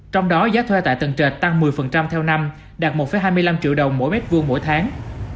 trong đó giá thuê tại tầng trệt tăng một mươi theo năm đạt một hai mươi năm triệu đồng mỗi mét vuông mỗi tháng